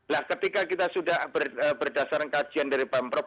lah ketika kita sudah berdasarkan kajian dari bamprop